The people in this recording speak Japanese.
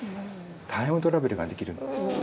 タイムトラベルができるんです。